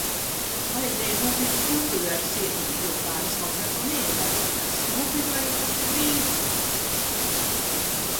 Vajadzēja nopirkt piltuvi ar sietiņu, jo Kārlis vakar to neiegādājās. Nopirku arī kosher vīnu.